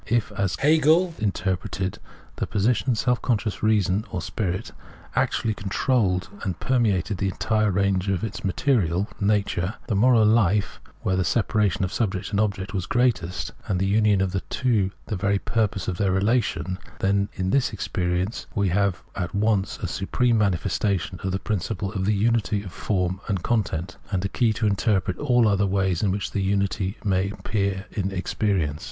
If, as Hegel interpreted the position, self conscious reason (or Spirit) actually controlled and permeated the entire range of its material (Nature) in the moral hfe, where the separation of subject and object was greatest, and the union of the two the very purpose of their relation, then in this experience we have at once a supreme manifestation of the principle of the unity of form and XX Translator's Introduction content, and a key to interpret all other ways in which that unity may appear in experience.